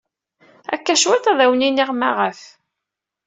Akka cwiṭ ad awen-iniɣ maɣef.